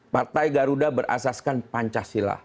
partai garuda berasaskan pancasila